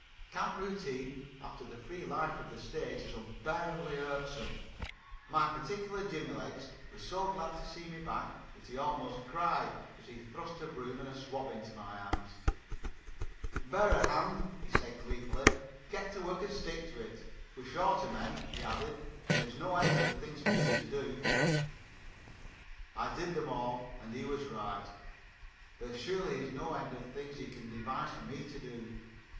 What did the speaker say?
Camp routine after the free life of the stage is unbearably irksome. My particular jimmy legs was so glad to see me back that he almost cried as he thrust a broom and a swab into my hands. "Bear a hand," he said gleefully, "get to work and stick to it. We're short of men," he added, "and there is no end of things for you to do." I did them all and he was right. There surely is no end to the things he can devise for me to do.